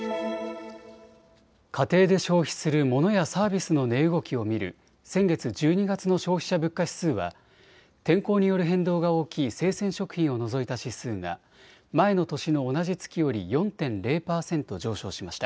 家庭で消費するモノやサービスの値動きを見る先月、１２月の消費者物価指数は天候による変動が大きい生鮮食品を除いた指数が前の年の同じ月より４．０％上昇しました。